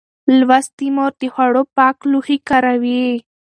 لوستې مور د خوړو پاک لوښي کاروي.